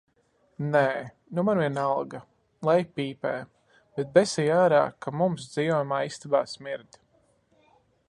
Nē, nu man vienalga, lai pīpē, tik besī ārā, ka mums dzīvojamā istabā smird.